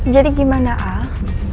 jadi gimana ah